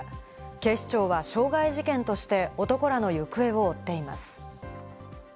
警視庁は傷害事件として男らの行方を追っています。